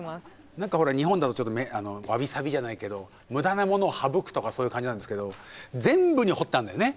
何かほら日本だとわび・さびじゃないけど無駄なものを省くとかそういう感じなんですけど全部に彫ってあるんだよね。